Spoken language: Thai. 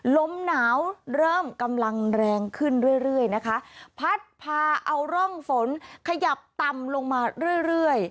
ลมหนาวเริ่มกำลังแรงขึ้นเรื่อยเรื่อยนะคะพัดพาเอาร่องฝนขยับต่ำลงมาเรื่อยเรื่อย